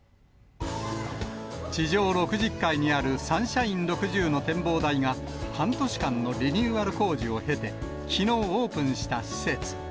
地上６０階にあるサンシャイン６０の展望台が、半年間のリニューアル工事を経て、きのう、オープンした施設。